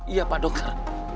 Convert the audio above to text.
iya pak dokter